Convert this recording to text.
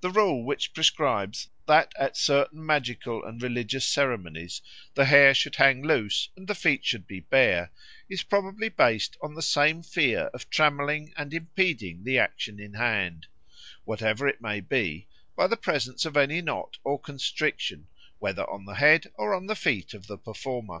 The rule which prescribes that at certain magical and religious ceremonies the hair should hang loose and the feet should be bare is probably based on the same fear of trammelling and impeding the action in hand, whatever it may be, by the presence of any knot or constriction, whether on the head or on the feet of the performer.